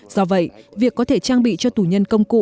do vậy việc có thể trang bị cho tù nhân công cụ